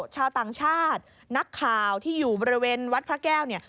ชาวต่างชาตินักข่าวที่อยู่บริเวณวัดพระแก้วเนี่ย